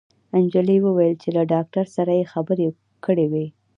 انجلۍ وويل چې له ډاکټر سره يې خبرې کړې وې